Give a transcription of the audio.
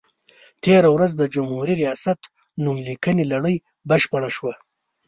تېره ورځ د جمهوري ریاست نوم لیکنې لړۍ بشپړه شوه.